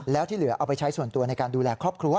แล้วที่เหลือเอาไปใช้ส่วนตัวในการดูแลครอบครัว